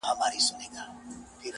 پرېږده چي لمبې پر نزله بلي کړي!!